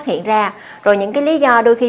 hiện ra rồi những cái lý do đôi khi